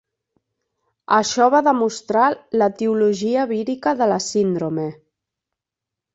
Això va demostrar l'etiologia vírica de la síndrome.